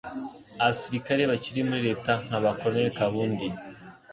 absirikare bakiri muri leta nka ba Col.Kabundi,